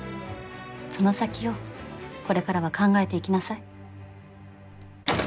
その先をこれからは考えていきなさい。